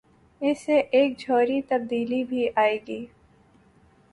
اس سے ایک جوہری تبدیلی بھی آئے گی۔